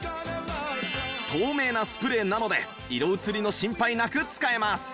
透明なスプレーなので色移りの心配なく使えます